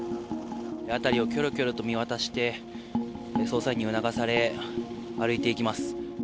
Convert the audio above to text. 辺りをきょろきょろと見渡して、捜査員に促され、歩いていきます。